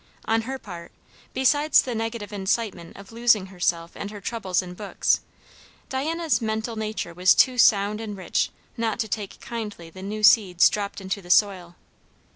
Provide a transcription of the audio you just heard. On her part, besides the negative incitement of losing herself and her troubles in books, Diana's mental nature was too sound and rich not to take kindly the new seeds dropped into the soil.